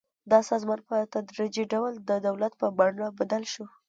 دا سازمان په تدریجي ډول د دولت په بڼه بدل شو.